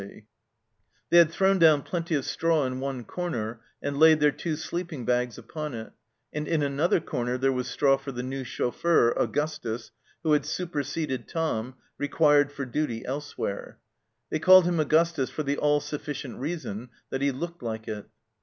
29 THE CELLAR HOUSE OF PERVYSE They had thrown down plenty of straw in one cor ner and laid their two sleeping bags upon it, and in another corner there was straw for the new chauffeur, Augustus, who had superseded Tom, required for duty elsewhere. They called him Augustus for the all sufficient reason that he "looked like it."